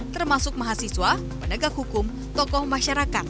termasuk mahasiswa penegak hukum tokoh masyarakat